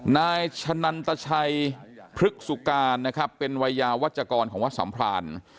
นายชะนันตชัยพฤกษุการนะครับเป็นวัยยาวัชกรของวัดสัมพราน